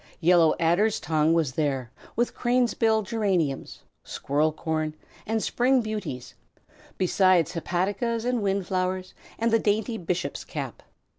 Yellow adder's tongue was there, with cranesbill geraniums, squirrel corn, and spring beauties, besides hepaticas and windflowers and the dainty bishop's cap.